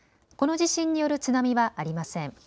この地震による津波はありません。